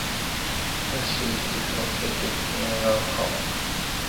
The seat is located in Laholm.